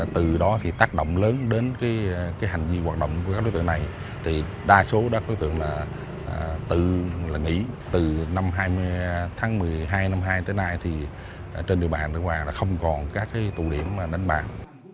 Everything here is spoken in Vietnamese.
từ tháng một mươi hai năm hai tới nay thì trên địa bàn đức hòa đã không còn các tụ điểm đánh bạc